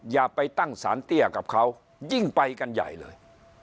อย่าไปตั้งสารเตี้ยกับเขายิ่งไปกันใหญ่เลย